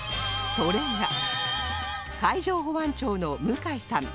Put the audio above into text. それが海上保安庁の向井さん